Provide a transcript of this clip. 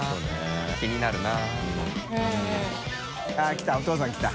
△来たお父さん来た。